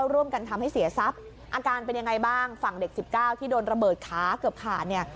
ร่วมกันทำให้เสียทรัพย์อาการเป็นยังไงบ้างฝั่งเด็ก๑๙ที่โดนระเบิดขาเกือบขาดเนี่ย